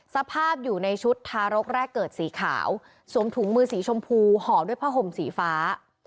สภาพอยู่ในชุดทารกแรกเกิดสีขาวสวมถุงมือสีชมพูห่อด้วยผ้าห่มสีฟ้า